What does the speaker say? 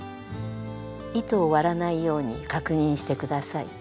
糸を割らないように確認して下さい。